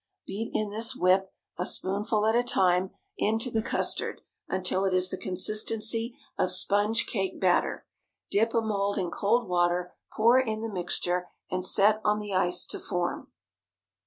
Beat in this "whip," a spoonful at a time, into the custard until it is the consistency of sponge cake batter. Dip a mould in cold water, pour in the mixture, and set on the ice to form.